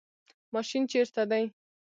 ماشین چیرته دی؟